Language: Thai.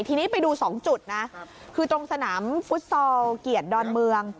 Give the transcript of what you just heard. ทีนี้ไปดูสองจุดนะคือตรงสนามฟุตซอลเกียรติดอนเมือง